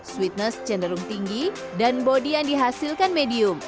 sweetness cenderung tinggi dan bodi yang dihasilkan medium